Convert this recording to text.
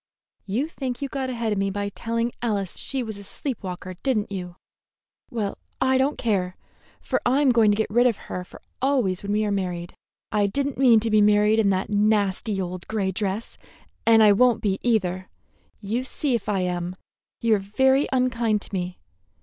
"You think you got ahead of me by telling Alice she was a sleep walker, did n't you! Well, I don't care, for I'm going to get rid of her for always when we are married. I did n't mean to be married in that nasty old gray dress, and I won't be, either. You see if I am. You are very unkind to me.